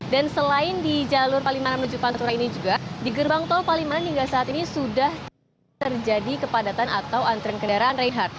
dan selain di jalur palimanan menuju pantura ini juga di gerbang tol palimanan hingga saat ini sudah terjadi kepadatan atau antrean kendaraan reinhard